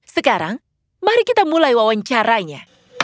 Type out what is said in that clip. sekarang mari kita mulai wawancaranya